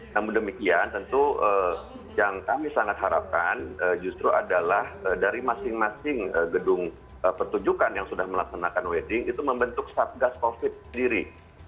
namun demikian tentu yang kami sangat harapkan justru adalah dari masing masing gedung pertunjukan yang sudah melaksanakan wedding itu membentuk satgas covid sendiri